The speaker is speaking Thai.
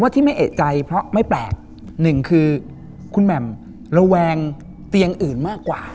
ที่ไม่เอกใจเพราะไม่แปลกหนึ่งคือคุณแหม่มระแวงเตียงอื่นมากกว่า